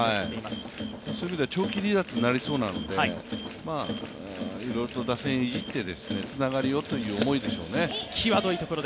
そういう意味では、長期離脱になりそうなのでいろいろと打線いじってつながりをという思いでしょうね。